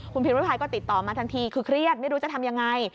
คุณพิมริพายก็ติดต่อมาทันทีคือเครียดไม่รู้จะทำยังไง